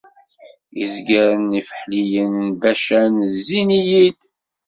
Izgaren ifeḥliyen n Bacan zzin-iyi-d.